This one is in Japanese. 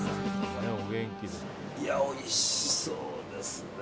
いや、おいしそうですね。